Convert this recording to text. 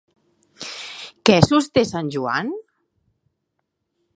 Què sosté Sant Joan?